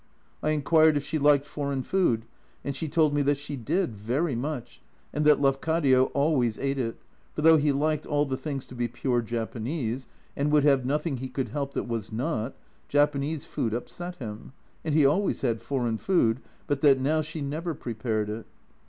I inquired if she liked foreign food, and she told me that she did, very much, and that " Lafcadio" always ate it, for though he liked all the things to be pure Japanese, and would have nothing he could help that was not, Japanese food upset him, and he always had foreign food, but that now she never prepared it.